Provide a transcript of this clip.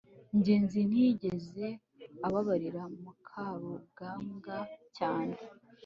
ngenzi ntiyigeze ababarira mukarugambwa cyane